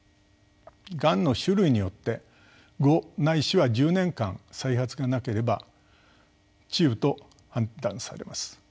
がんの種類によって５ないしは１０年間再発がなければ治癒と判断されます。